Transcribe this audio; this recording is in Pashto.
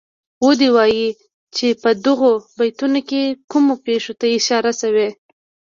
ودې وايي چه په دغو بیتونو کې کومو پېښو ته اشاره شوې.